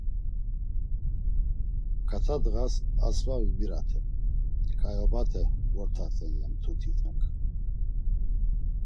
K̆at̆a ndğas asva vibiraten, ǩayobate vort̆aten, ya mtutinak.